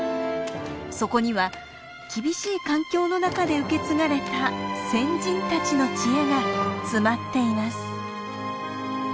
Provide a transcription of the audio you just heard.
そこには厳しい環境の中で受け継がれた先人たちの知恵が詰まっています。